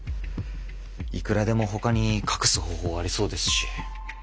いくらでもほかに隠す方法はありそうですし。